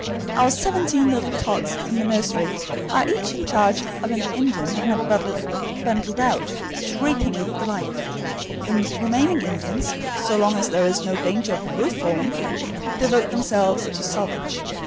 Our seventeen little tots in the nursery are each in charge of an Indian, and are bundled out, shrieking with delight. The remaining Indians, so long as there is no danger of the roof falling, devote themselves to salvage.